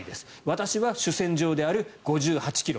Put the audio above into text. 私は主戦場である５８ｋｇ